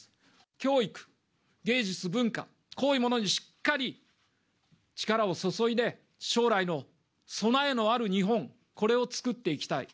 教育、芸術文化、こういうものにしっかり力を注いで、将来の備えのある日本、これを作っていきたい。